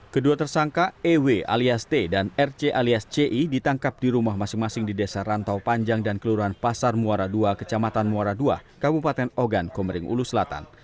kedua tersangka ew alias t dan rc alias ci ditangkap di rumah masing masing di desa rantau panjang dan kelurahan pasar muara ii kecamatan muara ii kabupaten ogan komering ulu selatan